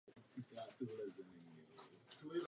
Myslím to vážně.